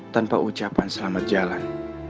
tanpa ucapan selamat jalan